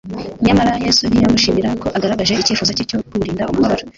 nyamara Yesu ntiyamushimira ko agaragaje icyifuzo cye cyo kumurinda umubabaro.